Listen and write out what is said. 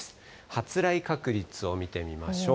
発雷確率を見てみましょう。